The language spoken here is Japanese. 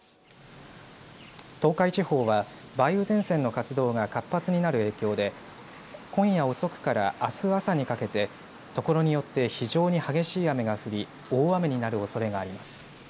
東海地方は梅雨前線の活動が活発になる影響で今夜遅くから、あす朝にかけて所によって非常に激しい雨が降り大雨になるおそれがあります。